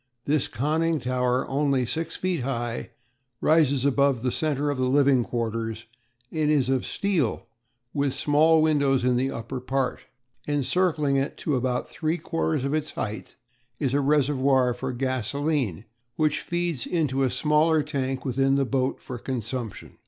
This conning tower, only six feet high, rises above the centre of the living quarters, and is of steel with small windows in the upper part. Encircling it to about three quarters of its height is a reservoir for gasolene, which feeds into a smaller tank within the boat for consumption.